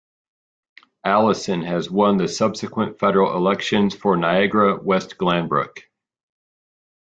Allison has won the subsequent federal elections for Niagara West-Glanbrook.